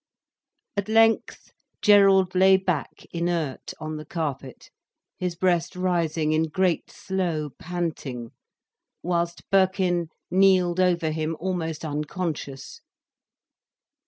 At length Gerald lay back inert on the carpet, his breast rising in great slow panting, whilst Birkin kneeled over him, almost unconscious.